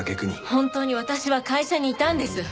本当に私は会社にいたんです！